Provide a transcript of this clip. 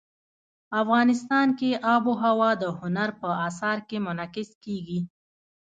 افغانستان کې آب وهوا د هنر په اثار کې منعکس کېږي.